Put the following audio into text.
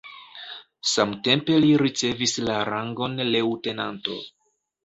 Samtempe li ricevis la rangon leŭtenanto.